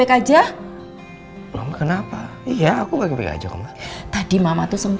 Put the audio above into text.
aku lagi dibetul sh egg